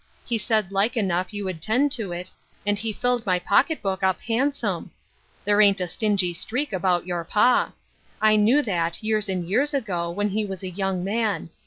He said like enough you would 'tend to it, and he filled my pocket book up handsome. There ain't a stingy streak about your pa. I knew that, years and years ago, when he was a young man.